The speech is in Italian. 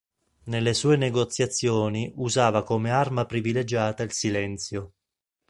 Nelle sue negoziazioni usava come arma privilegiata il silenzio.